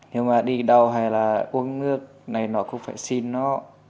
nhưng mà đi đâu hay là uống nước này nó cũng phải xin nó